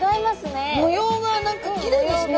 模様が何かきれいですね。